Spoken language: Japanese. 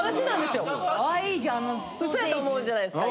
嘘やと思うじゃないですか